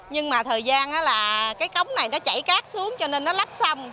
nhưng mà thời gian là cái cống này nó chảy cát xuống cho nên nó lắp sông